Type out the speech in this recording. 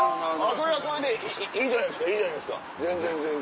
それはそれでいいじゃないですかいいじゃないですか全然全然。